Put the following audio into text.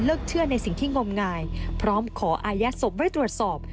เชื่อในสิ่งที่งมงายพร้อมขออายัดศพไว้ตรวจสอบ